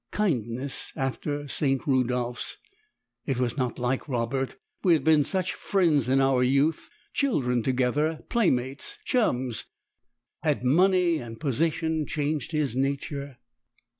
Kindness after St. Rudolphs. It was not like Robert, we had been such friends in our youth; children together, playmates, chums! Had money and position changed his nature?